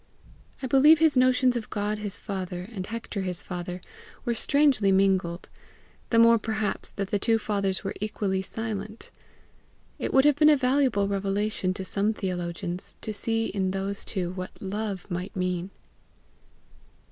I believe his notions of God his father, and Hector his father, were strangely mingled the more perhaps that the two fathers were equally silent. It would have been a valuable revelation to some theologians to see in those two what love might mean.